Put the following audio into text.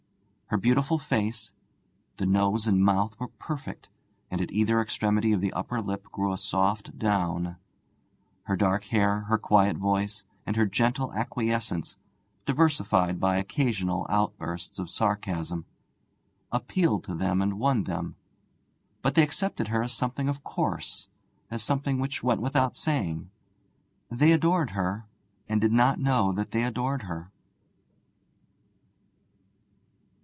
Her beautiful face (the nose and mouth were perfect, and at either extremity of the upper lip grew a soft down), her dark hair, her quiet voice and her gentle acquiescence (diversified by occasional outbursts of sarcasm), appealed to them and won them; but they accepted her as something of course, as something which went without saying. They adored her, and did not know that they adored her.